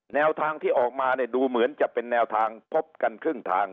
แนวทางที่ออกมาเนี่ยดูเหมือนจะเป็นแนวทางพบกันครึ่งทาง